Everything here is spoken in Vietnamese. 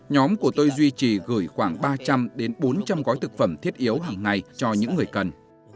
nhóm của tôi duy trì gửi khoảng ba trăm linh đến bốn trăm linh gói thực phẩm thiết yếu hằng ngày cho những người cần